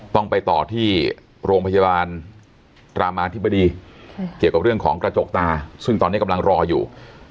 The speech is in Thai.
ต้องไปต่อที่โรงพยาบาลรามาธิบดีเกี่ยวกับเรื่องของกระจกตาซึ่งตอนนี้กำลังรออยู่